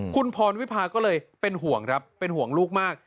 คุณผ่อนวิภาคก็เลยเป็นห่วงลูกมาก